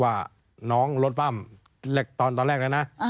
ว่าน้องรถปั้มตอนแรกแล้วนะ